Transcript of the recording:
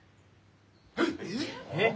えっ！？